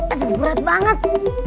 aduh berat banget